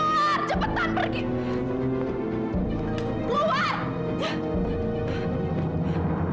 keluar keluar cepetan pergi keluar